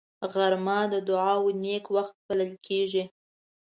غرمه د دعاو نېک وخت بلل کېږي